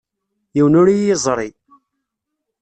Yiwen ur iyi-yeẓri.